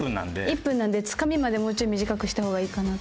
１分なんでつかみまでもうちょい短くした方がいいかなって。